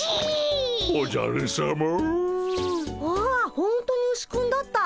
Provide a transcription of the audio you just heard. ほんとにウシくんだった。